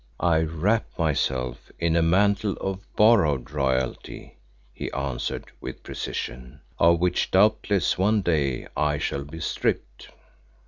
"I wrap myself in a mantle of borrowed royalty," he answered with precision, "of which doubtless one day I shall be stripped."